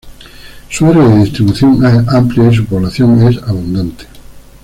Su área de distribución es amplia y su población es abundante.